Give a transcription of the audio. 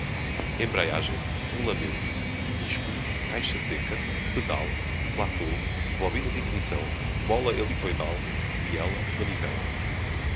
embreagem, rolamento, disco, caixa-seca, pedal, platô, bobina de ignição, mola helicoidal, biela, manivela